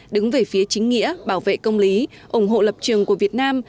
đứng về phía chính nghĩa bảo vệ công lý ủng hộ lập trường của việt nam